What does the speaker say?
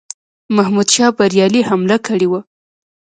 محمودشاه بریالی حمله کړې وه.